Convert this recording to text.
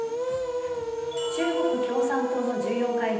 中国共産党の重要会議